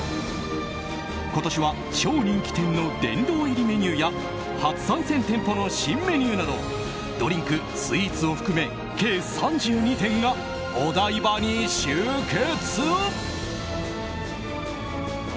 今年は超人気店の殿堂入りメニューや初参戦店舗の新メニューなどドリンク、スイーツを含め計３２点がお台場に集結。